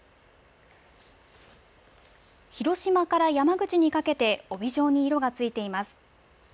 広島から山口にかけて、帯状に色がついています。